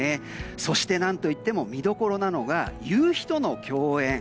そして何といっても見どころなのが夕日との共演。